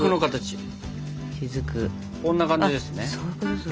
こんな感じですね？